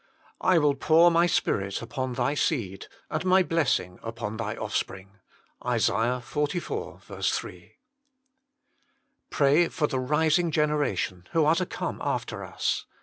I will pour My Spirit upon thy seed, and My blessing upon thy offspring." ISA. xliv. 3. Pray for the rising generation, who are to come after us.